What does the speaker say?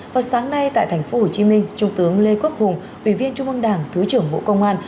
vào sáng nay tại tp hcm trung tướng lê quốc hùng ủy viên trung ương đảng thứ trưởng bộ công an